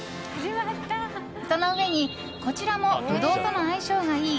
その上にこちらもブドウとの相性がいい